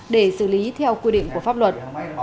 để xử lý theo quy định của pháp luật